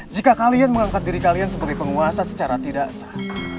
jika kalian mengangkat diri kalian sebagai penguasa secara tidak sah